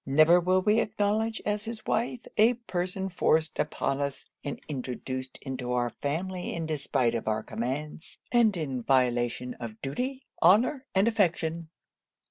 never will we acknowledge as his wife, a person forced upon us and introduced into our family in despite of our commands, and in violation of duty, honour, and affection.